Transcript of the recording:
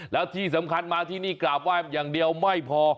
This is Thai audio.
แล้วที่สำคัญมาที่นี่กราบไหว้อย่างเดียวไม่พอ